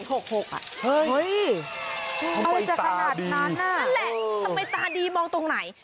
วันนั้นแหละทำไมตาดีมองตรงไหน